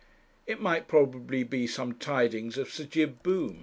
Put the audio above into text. It might, probably, be some tidings of Sir Jib Boom.